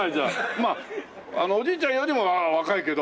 まあおじいちゃんよりは若いけど。